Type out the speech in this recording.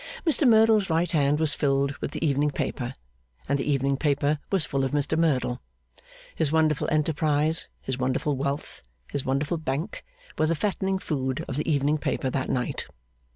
Mr Merdle's right hand was filled with the evening paper, and the evening paper was full of Mr Merdle. His wonderful enterprise, his wonderful wealth, his wonderful Bank, were the fattening food of the evening paper that night.